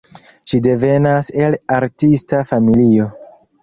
Ŝi devenas el artista familio.